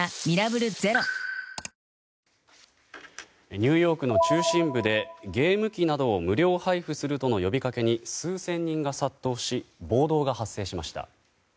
ニューヨークの中心部でゲーム機などを無料配布するとの呼びかけに数千人が殺到し暴動が発生しました。